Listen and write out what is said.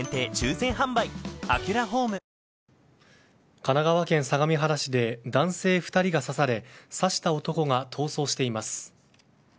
神奈川県相模原市で男性２人が刺され刺した男が逃走しています。